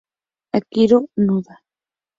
Akihiro Noda